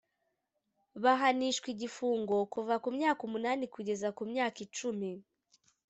bahanishwa igifungo kuva ku myaka umunani kugeza ku myaka icumi